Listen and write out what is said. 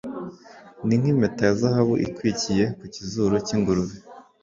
ni nk'impeta ya zahabu ikwikiye ku kizuru cy'ingurube